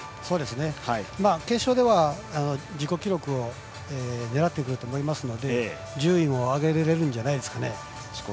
決勝では自己記録を狙ってくると思いますので順位を上げられるんじゃないですか。